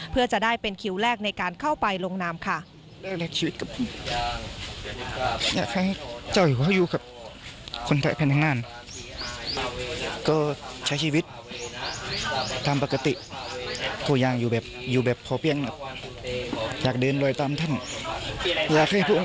เพื่อจะได้เป็นคิวแรกในการเข้าไปลงนามค่ะ